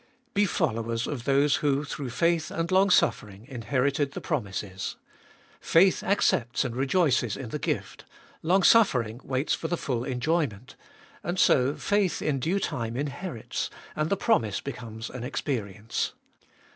/. Be followers of those who, through faith and longsuffering, inherited the promises. Faith accepts and rejoices in the gift; longsuffering waits for the full enjoyment; and so faith in due time inherits, and the promise becomes an experience.